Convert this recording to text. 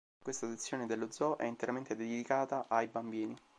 Questa sezione dello zoo è interamente dedicata ai bambini.